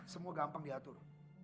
semua gampang diatur